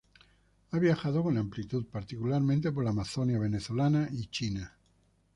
Ha viajado con amplitud, particularmente por la Amazonía venezolana y China.